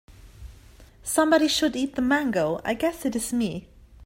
Somebody should eat the mango, I guess it is me.